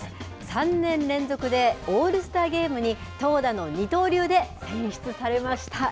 ３年連続でオールスターゲームに、投打の二刀流で選出されました。